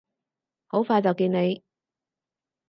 好快就見你！